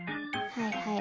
はいはい。